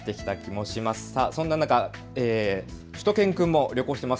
そんな中、しゅと犬くんも旅行しています。